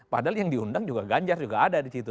padahal yang diundang juga ganjar juga ada di situ